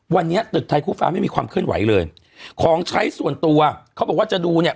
วันนี้ตึกไทยคู่ฟ้าไม่มีความเคลื่อนไหวเลยของใช้ส่วนตัวเขาบอกว่าจะดูเนี่ย